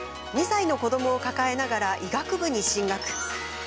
２歳の子どもを抱えながら医学部に進学。